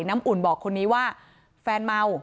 น้ำอุ่นบอกคนนี้ว่าแฟนเมา